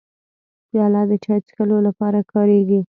پیاله د چای څښلو لپاره کارېږي.